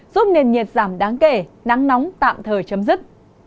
giúp nền nhiệt giảm đáng kể nắng nóng tạm thời chấm dứt